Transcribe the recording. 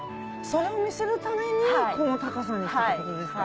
それを見せるためにこの高さにしたってことですか？